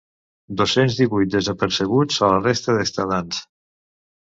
Dos-cents divuit desapercebut a la resta d'estadants.